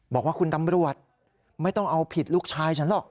บอกว่าคุณตำรวจไม่ต้องเอาผิดลูกชายฉันหรอก